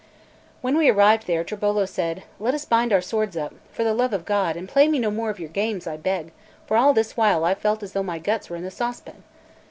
When we arrived there, Tribolo said: "Let us bind our swords up, for the love of God; and play me no more of your games, I beg; for all this while I've felt as though my guts were in the saucepan."